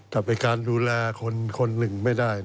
แต่เป็นการดูแลคนหนึ่งไม่ได้